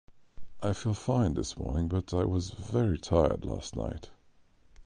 I feel fine this morning but I was very tired last night.